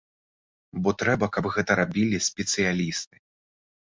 Бо трэба, каб гэта рабілі спецыялісты.